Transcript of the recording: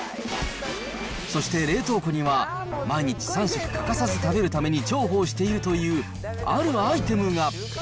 そして冷凍庫には、毎日３食欠かさず食べるために重宝しているという、あるアイテム